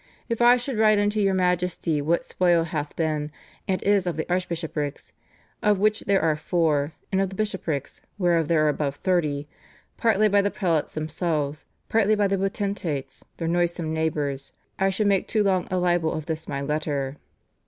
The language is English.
... If I should write unto your Majesty what spoil hath been, and is of the archbishoprics, of which there are four, and of the bishoprics, whereof there are above thirty, partly by the prelates themselves, partly by the potentates, their noisome neighbours, I should make too long a libel of this my letter.